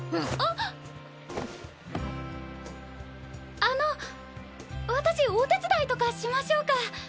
あの私お手伝いとかしましょうか？